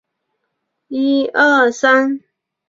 蒙希圣埃卢瓦。